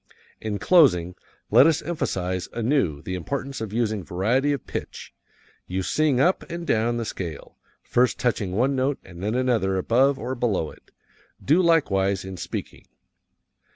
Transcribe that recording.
In closing, let us emphasize anew the importance of using variety of pitch. You sing up and down the scale, first touching one note and then another above or below it. Do likewise in speaking.